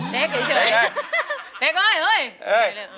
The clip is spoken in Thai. แป๊กเฉยแป๊กเฮ้ยแป๊ก